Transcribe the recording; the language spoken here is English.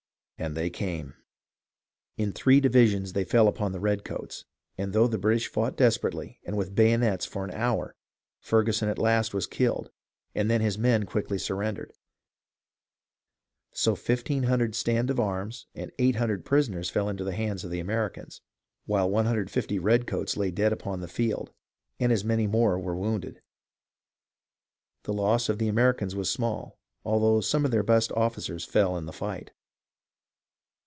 And they came. In three divisions they fell upon the redcoats, and though the British fought desperately and with bayonets for an hour, Ferguson at last was killed, and then his men quickly surrendered. So 1500 stand of arms and 800 prisoners fell into the hands of the Americans, while 150 redcoats lay dead upon the field, and as many more were wounded. The loss of the Americans was small, although some of their best officers fell in the fight.